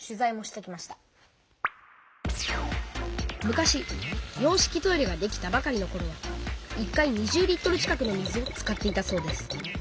昔洋式トイレができたばかりのころは１回２０リットル近くの水を使っていたそうです。